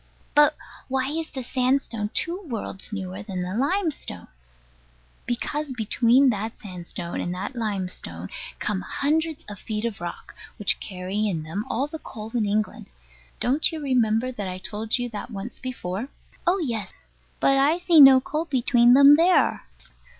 But why is the sandstone two worlds newer than the limestone? Because between that sandstone and that limestone come hundreds of feet of rock, which carry in them all the coal in England. Don't you remember that I told you that once before? Oh yes. But I see no coal between them there.